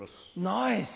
ナイス！